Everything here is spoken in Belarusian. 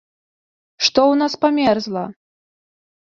Што ў нас памерзла?